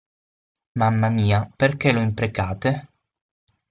Mamma mia, perché lo imprecate?